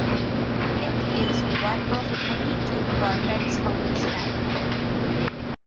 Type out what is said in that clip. It is one of only two Corbetts on Skye.